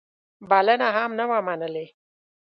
بلنه هم نه وه منلې.